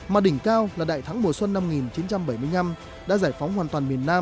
mà đỉnh cao là đại thắng mùa xuân năm một nghìn chín trăm bảy mươi năm đã giải phóng hoàn toàn miền nam